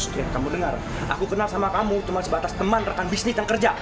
kamu dengar aku kenal sama kamu cuma sebatas teman rekan bisnis yang kerja